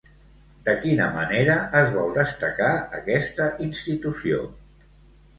De quina manera es vol destacar aquesta institució?